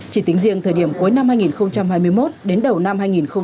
chỉ tính riêng thời điểm cuối năm hai nghìn hai mươi một đến đầu năm hai nghìn hai mươi ba